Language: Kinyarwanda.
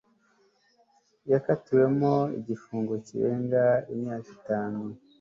yakatiwemo igifungo kirenga imyaka itanu